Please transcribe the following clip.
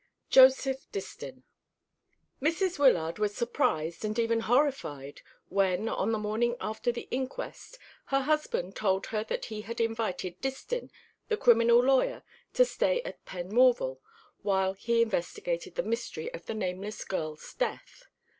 JOSEPH DISTIN. Mrs. Wyllard was surprised and even horrified when, on the morning after the inquest, her husband told her that he had invited Distin, the criminal lawyer, to stay at Penmorval while he investigated the mystery of the nameless girl's death.